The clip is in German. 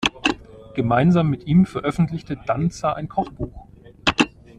Gemeinsam mit ihm veröffentlichte Danza ein Kochbuch.